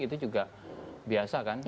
itu juga biasa kan